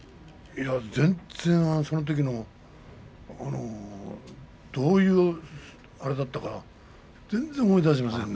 全然そのときのどういうあれだったか思い出しませんね。